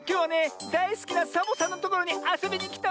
だいすきなサボさんのところにあそびにきたわよ。